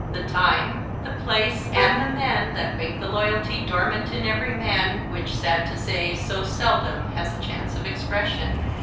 The time, the place and the men that wake the loyalty dormant in every man which, sad to say, so seldom has a chance of expression.